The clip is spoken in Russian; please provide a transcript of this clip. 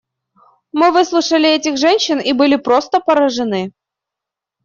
Мы выслушали этих женщин и были просто поражены.